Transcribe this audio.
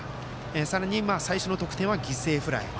さらに、最初の得点は犠牲フライ。